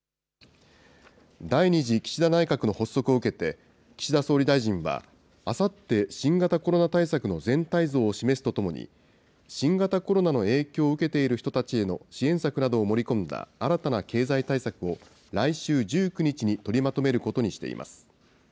第２次岸田内閣の発足を受けて、岸田総理大臣は、あさって新型コロナ対策の全体像を示すとともに、新型コロナの影響を受けている人たちへの支援策などを盛り込んだ新たな経済対策を、来週１９日に取りまとめることにしています。